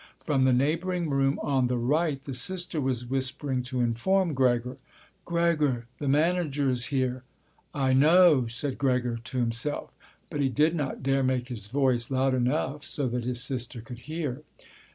From the neighbouring room on the right the sister was whispering to inform Gregor: "Gregor, the manager is here." "I know," said Gregor to himself. But he did not dare make his voice loud enough so that his sister could hear.